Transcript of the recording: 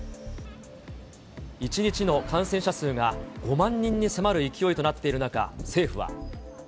１日の感染者数が５万人に迫る勢いとなっている中、政府は。